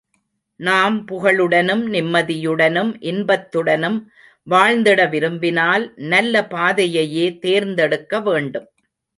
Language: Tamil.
நாம் புகழுடனும் நிம்மதியுடனும், இன்பத்துடனும் வாழ்ந்திட விரும்பினால், நல்ல பாதையையே தேர்ந்தெடுக்க வேண்டும்.